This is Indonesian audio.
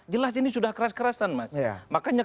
jelas ini sudah keras kerasan mas makanya